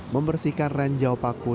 membersihkan ranjau paku